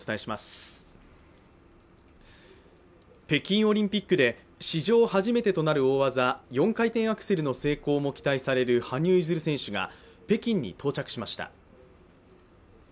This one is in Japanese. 北京オリンピックで史上初めてとなる大技、４回転アクセルの成功も期待される羽生結弦選手が北京に到着しました。